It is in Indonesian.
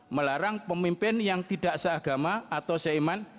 melarang pemimpin yang tidak seagama atau seiman